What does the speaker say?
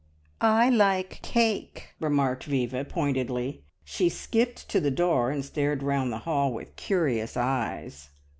"I like cake!" remarked Viva pointedly. She skipped to the door, and stared round the hall with curious eyes.